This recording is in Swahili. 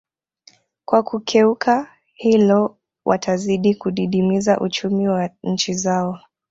Kwa kukeuka hilo watazidi kudidimiza uchumi wa nchi zao